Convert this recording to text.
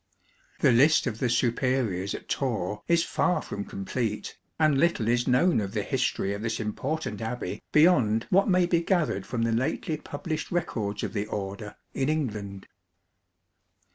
The list of the superiors at Torre is far from complete, and little is known of the history of this important abbey beyond what may be gathered from the lately published records of the Order in England.